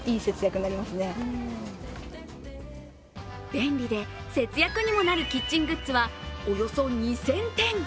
便利で節約にもなるキッチングッズはおよそ２０００点。